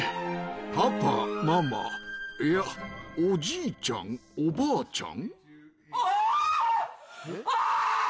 パパ、ママ、いや、おじいちゃん、おばあちゃん。